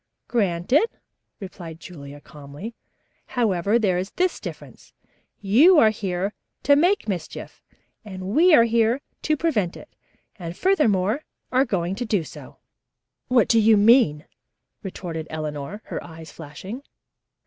"Granted," replied Julia calmly. "However, there is this difference. You are here to make mischief and we are here to prevent it, and, furthermore, are going to do so." "What do you mean?" retorted Eleanor, her eyes flashing.